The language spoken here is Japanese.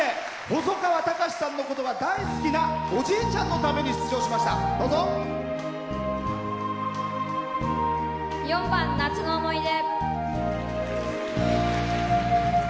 細川たかしさんのことが大好きなおじいちゃんのために４番「夏の思い出」。